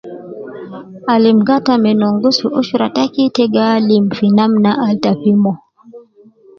Alim gata me nongus fi usra taki, te gi alim fi namna al ta fi mo